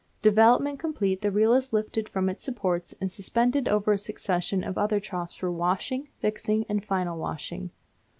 Development complete, the reel is lifted from its supports and suspended over a succession of other troughs for washing, fixing, and final washing.